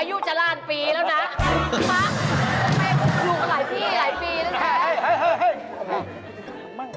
ไม่อยู่หลายปีหลายปีแล้วนะ